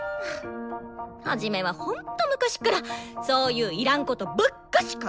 ハジメはほんっと昔っからそういういらんことばっかし考えて！